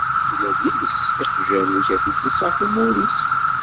Ula d iles n yiqjan-ik ad t-id-iṣaḥ umur-is.